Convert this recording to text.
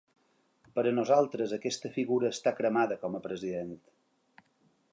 Per a nosaltres aquesta figura està cremada com a president.